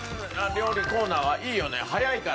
料理コーナーはいいよね早いからね。